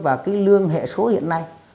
và cái lương hệ số hiện nay